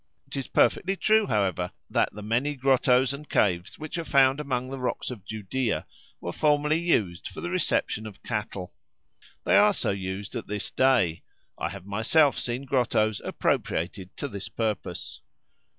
It is perfectly true, however, that the many grottos and caves which are found among the rocks of Judea were formerly used for the reception of cattle. They are so used at this day. I have myself seen grottos appropriated to this purpose.